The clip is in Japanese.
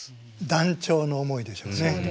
断腸の思いでしょうね